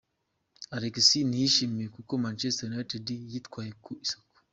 Alexis ntiyishimiye uko Manchester United yitwaye ku isoko.